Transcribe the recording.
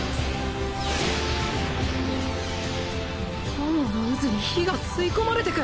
炎の渦に火が吸い込まれてく！